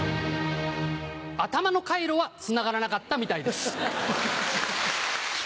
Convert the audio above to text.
頭の回路はつながらなかったみたいです。